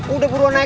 udah buruan naik